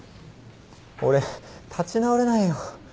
俺立ち直れないよ。